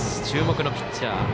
注目のピッチャー